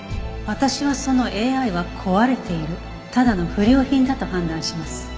私はそのＡＩは壊れているただの不良品だと判断します。